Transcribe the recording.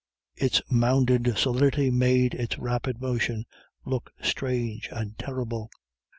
Its mounded solidity made its rapid motion look strange and terrible.